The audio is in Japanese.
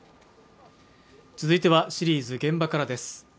続いてはシリーズ「現場から」です。